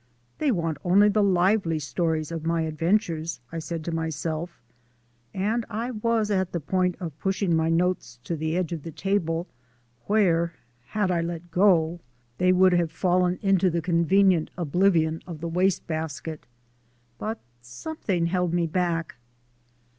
"They want only the lively stories of my adventures," I said to myself, and I was at the point of pushing my notes to the edge of the table where (had I let go) they would have fallen into the convenient oblivion of the waste basket. But something held me back.